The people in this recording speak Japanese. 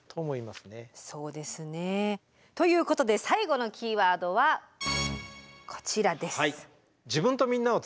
そうですね。ということで最後のキーワードはこちらです。